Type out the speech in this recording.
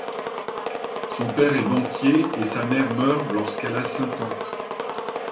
Son père est banquier, et sa mère meurt lorsqu'elle a cinq ans.